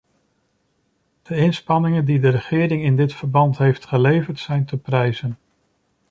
De inspanningen die de regering in dit verband heeft geleverd, zijn te prijzen.